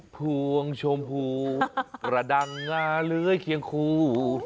พวงชมพูกระดังงาเลื้อยเคียงคู่